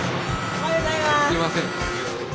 おはようございます。